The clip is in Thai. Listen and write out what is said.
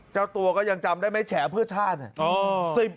เจ้าตัวก็ยังจำได้ไหมแฉเพื่อชาติเนี่ย